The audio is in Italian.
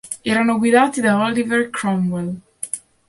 Erano guidati da Oliver Cromwell.